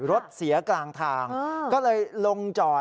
รถเสียกลางทางก็เลยลงจอด